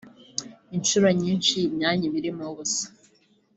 inshuro nyinshi imyanya iba irimo ubusa